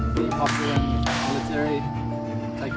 pemerintah papua telah diangkat